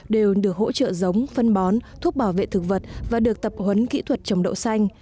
đều được hỗ trợ giống phân bón thuốc bảo vệ thực vật và được tập huấn kỹ thuật trồng đậu xanh